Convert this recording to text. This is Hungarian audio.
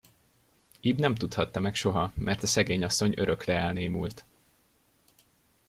Ib nem tudhatta meg soha, mert a szegény asszony örökre elnémult.